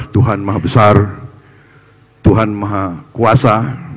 tuhan maha besar tuhan maha kuasa